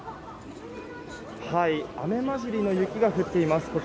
雨交じりの雪が降っています。